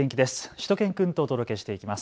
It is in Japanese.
しゅと犬くんとお届けしていきます。